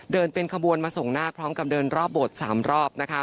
เดินเป็นขบวนมาส่งหน้าพร้องกับเดินรอบบ่วนสามรอบ